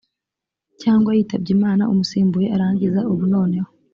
cyangwa yitabye imana umusimbuye arangiza ubunoneho